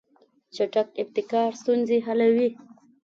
چټک ابتکار ستونزې حلوي.